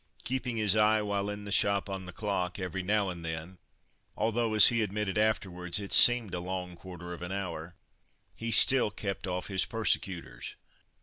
Keeping his eye, while in the shop, on the clock, every now and then although, as he admitted afterwards, it seemed a long quarter of an hour he still kept off his persecutors.